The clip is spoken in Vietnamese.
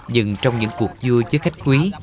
nhưng trong những cuộc vui với khách quý